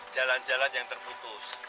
jalan jalan yang terputus